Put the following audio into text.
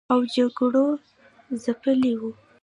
او جګړو ځپلي و